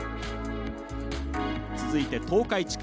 続いて、東海地区。